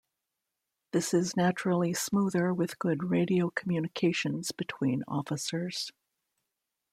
This is naturally smoother with good radio communications between officers.